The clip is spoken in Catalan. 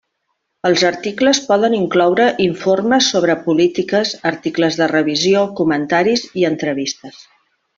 Els articles poden incloure informes sobre polítiques, articles de revisió, comentaris i entrevistes.